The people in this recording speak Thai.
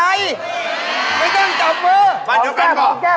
ไม่ต้องจับมื้อ